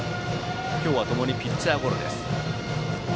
今日はともにピッチャーゴロ。